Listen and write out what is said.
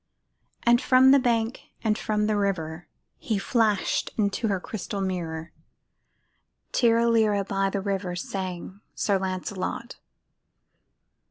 From the bank and from the river He flashed into the crystal mirror, "Tirra lirra," by the river Sang Sir Lancelot.